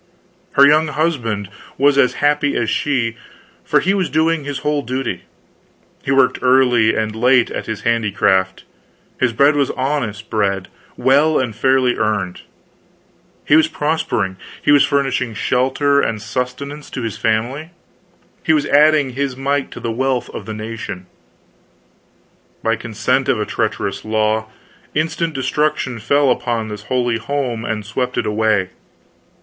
Her young husband was as happy as she; for he was doing his whole duty, he worked early and late at his handicraft, his bread was honest bread well and fairly earned, he was prospering, he was furnishing shelter and sustenance to his family, he was adding his mite to the wealth of the nation. By consent of a treacherous law, instant destruction fell upon this holy home and swept it away!